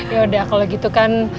yaudah kalau gitu kan